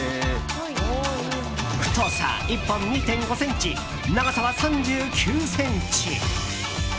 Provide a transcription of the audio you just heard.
太さ１本２．５ｃｍ長さは３９ｃｍ。